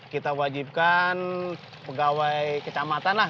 kita wajibkan pegawai kecamatan lah